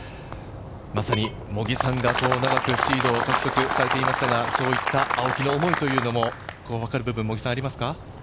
まさに茂木さんが長くシードを獲得されていましたが、こういった青木の思いというのも分かる部分も茂木さん、ありますか？